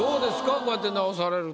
こうやって直されると。